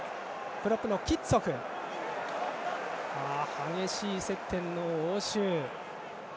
激しい接点の応酬。